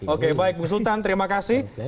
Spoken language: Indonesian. oke baik bu sultan terima kasih